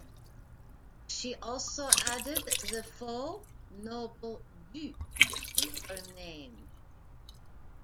She also added the faux noble "Du" to her name.